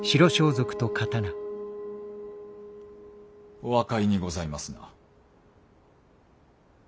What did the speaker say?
お分かりにございますな。